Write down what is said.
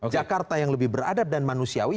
jakarta yang lebih beradab dan manusiawi